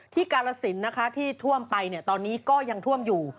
ที่กาลสินที่ท่วมไปเนี่ยตอนนี้ก็ยังท่วมอยู่